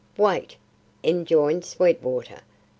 "Wait," enjoined Sweetwater.